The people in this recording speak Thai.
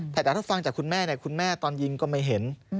แต่ถ้าฟังจากคุณแม่คุณแม่ตอนยิงก็ไม่เห็น